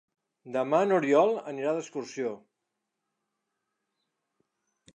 Demà n'Oriol anirà d'excursió.